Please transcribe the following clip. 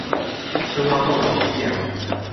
深挖洞，廣積糧